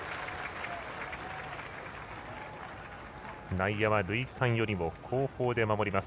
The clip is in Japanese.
内野は塁間よりも後方で守ります。